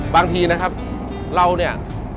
บางทีนะครับเราเนี่ย